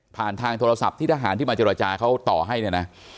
ทางโทรศัพท์ที่ทหารที่มาเจรจาเขาต่อให้เนี่ยนะ